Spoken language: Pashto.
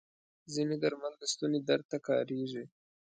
ځینې درمل د ستوني درد ته کارېږي.